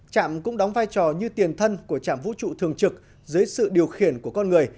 trạm cũng đóng vai trò như tiền thân của trạm vũ trụ thường trực dưới sự điều khiển của con người